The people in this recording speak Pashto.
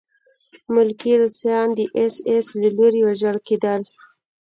ملکي روسان د اېس ایس له لوري وژل کېدل